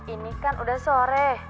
ini kan udah sore